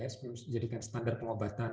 sebelum dijadikan standar pengobatan